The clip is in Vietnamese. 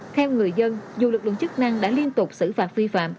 theo người dân dù lực lượng chức năng đã liên tục xử phạt vi phạm